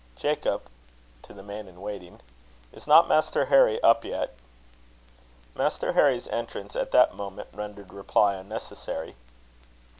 Jacob," (to the man in waiting), "is not Master Harry up yet?" Master Harry's entrance at that moment rendered reply unnecessary.